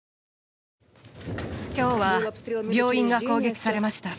今日は病院が攻撃されました。